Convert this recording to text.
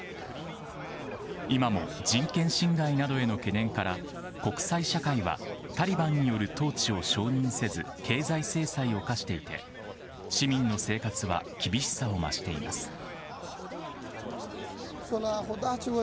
今も人権侵害などへの懸念から、国際社会はタリバンによる統治を承認せず、経済制裁を科していて、市民の生活は厳しさを増しています。